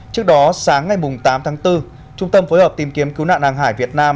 trước đó sáng ngày tám tháng bốn trung tâm phối hợp tìm kiếm cứu nạn hàng hải việt nam